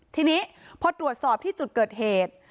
ทีนี้พอตรวจสอบที่จุดเกิดเหตุ